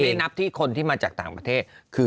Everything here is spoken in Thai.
ได้นับที่คนที่มาจากต่างประเทศคือ